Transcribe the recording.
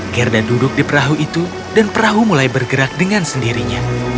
gerda duduk di perahu itu dan perahu mulai bergerak dengan sendirinya